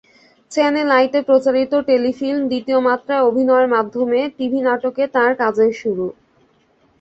Channel আইতে প্রচারিত telefilm দ্বিতীয় মাত্রায় অভিনয়ের মাধ্যমে টিভি নাটকে তাঁর কাজের শুরু।